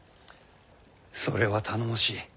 それは頼もしい。